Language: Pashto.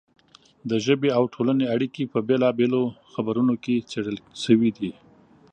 د ژبې او ټولنې اړیکې په بېلا بېلو خپرونو کې څېړل شوې دي.